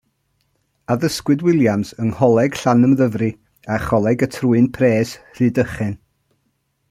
Addysgwyd Williams yng Ngholeg Llanymddyfri a Choleg y Trwyn Pres, Rhydychen.